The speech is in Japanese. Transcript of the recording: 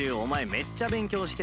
めっちゃ勉強してたしさ。